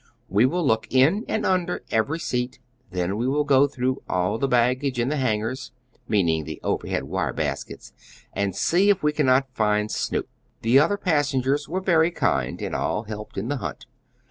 "We will look in and under every seat. Then we will go through all the baggage in the hangers" (meaning the overhead wire baskets), "and see if we cannot find Snoop." The other passengers were very kind and all helped in the hunt.